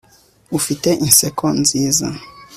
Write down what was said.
Ufite inseko nziza